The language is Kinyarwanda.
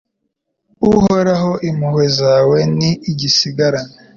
Uhoraho impuhwe zawe ni igisagirane